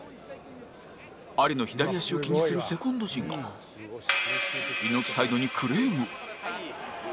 アリの左足を気にするセコンド陣が猪木サイドにクレーム